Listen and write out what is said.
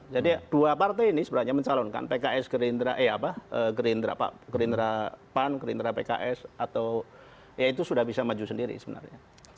jadi dua partai ini sebenarnya mencalonkan pks gerindra eh apa gerindra pan gerindra pks atau ya itu sudah bisa maju sendiri sebenarnya